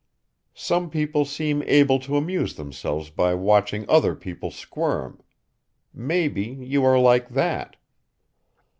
Some people seem able to amuse themselves by watching other people squirm. Maybe you are like that.